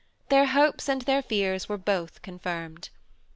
Their hopes and their fears were both confirmed.